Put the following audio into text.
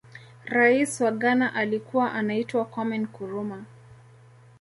raisi wa ghana alikuwa anaitwa kwame nkurumah